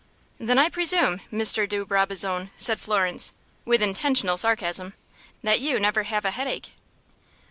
"Then, I presume, Mr. de Brabazon," said Florence, with intentional sarcasm, "that you never have a headache."